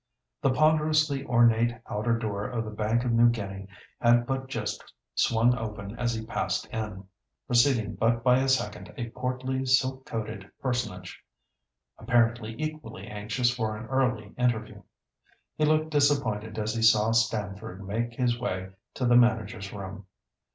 The ponderously ornate outer door of the Bank of New Guinea had but just swung open as he passed in, preceding but by a second a portly, silk coated personage, apparently equally anxious for an early interview. He looked disappointed as he saw Stamford make his way to the manager's room.